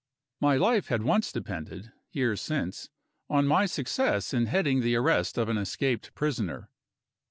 My life had once depended, years since, on my success in heading the arrest of an escaped prisoner.